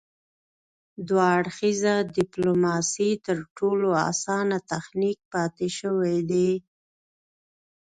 دوه اړخیزه ډیپلوماسي تر ټولو اسانه تخنیک پاتې شوی دی